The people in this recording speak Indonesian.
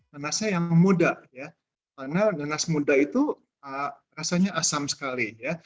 nanasnya yang muda ya karena nanas muda itu rasanya asam sekali ya